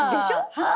はい！